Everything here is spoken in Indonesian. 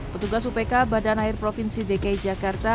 petugas upk badan air provinsi dki jakarta